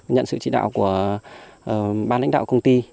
nhận sự chỉ đạo của ban lãnh đạo công ty